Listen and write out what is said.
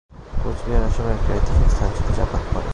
কোচবিহার আসামের একটি ঐতিহাসিক অংশ ছিল, যা বাদ পড়ে।